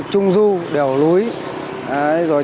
trung du đèo lối